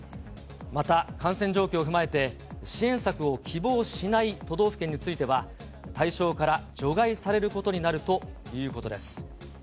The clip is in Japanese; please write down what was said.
また感染状況を踏まえて、支援策を希望しない都道府県については、対象から除外されることになるということです。